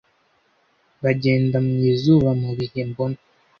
bagenda mwizuba mubihe mbona